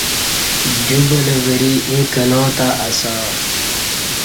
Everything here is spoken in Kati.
دیو بلہ ورے ییں کنا تہ اسیاں